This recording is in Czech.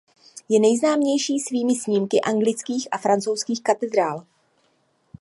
Je nejznámější svými snímky anglických a francouzských katedrál.